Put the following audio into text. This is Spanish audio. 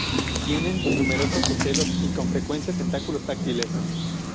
Tienen numerosos ocelos y con frecuencia tentáculos táctiles.